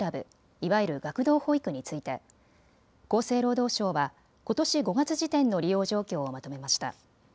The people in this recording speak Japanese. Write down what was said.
いわゆる学童保育について厚生労働省はことし５月時点の利用状況をまとめました。